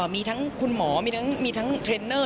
มีทั้งคุณหมอมีทั้งเทรนเนอร์